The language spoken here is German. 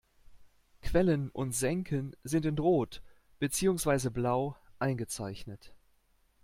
Quellen und Senken sind in Rot beziehungsweise Blau eingezeichnet.